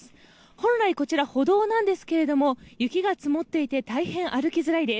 本来こちら、歩道なんですが雪が積もっていて大変歩きづらいです。